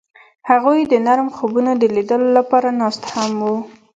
هغوی د نرم خوبونو د لیدلو لپاره ناست هم وو.